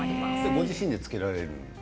ご自身でつけられるんですか？